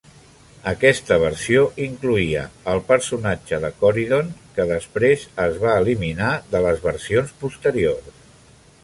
Aquesta versió incloïa el personatge de Coridon, que després es va eliminar de les versions posteriors.